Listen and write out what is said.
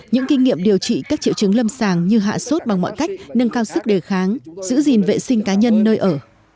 những kinh nghiệm điều trị các triệu chứng lâm sàng như hạ sốt bằng mọi cách nâng cao sức đề kháng giữ gìn vệ sinh cá nhân nơi ở